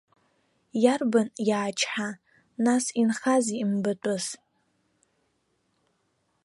Иарбан, иаачҳа, нас, инхазеи мбатәыс?